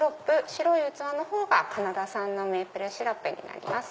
白い器の方がカナダ産のメープルシロップになります。